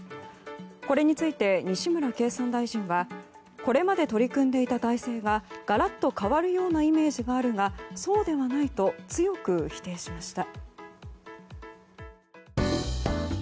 これについて西村経産大臣はこれまで取り組んでいた体制がガラッと変わるようなイメージがあるがそうではないと強く否定しました。